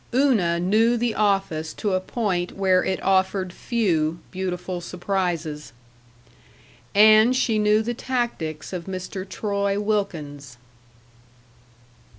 Una knew the office to a point where it offered few beautiful surprises. And she knew the tactics of Mr. Troy Wilkins.